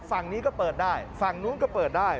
ฝั่งนี้ก็เปิดได้ฝั่งนู้นก็เปิดได้